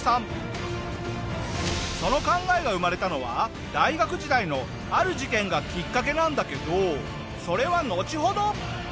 その考えが生まれたのは大学時代のある事件がきっかけなんだけどそれはのちほど！